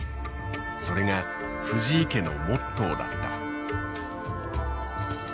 それが藤井家のモットーだった。